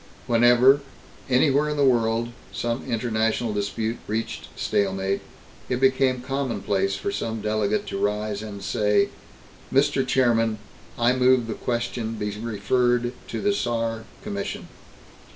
Whenever, anywhere in the world, some international dispute reached stalemate, it became commonplace for some delegate to rise and say: "Mr. Chairman, I move the question be referred to the Saar Commission."